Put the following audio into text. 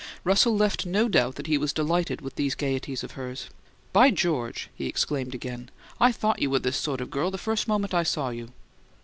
Russell left no doubt that he was delighted with these gaieties of hers. "By George!" he exclaimed again. "I thought you were this sort of girl the first moment I saw you!"